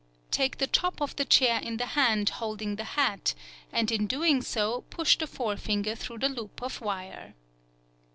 Take the top of the chair in the hand holding the hat, and in doing so, push the forefinger through the loop of wire.